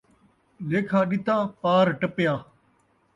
لیکھا ݙتا پار ٹپیا